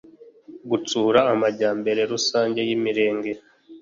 gutsura amajyambere rusange y imirenge